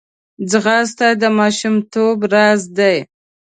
ځغاسته د ماشومتوب راز دی